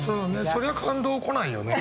そりゃ「感動！」来ないよね。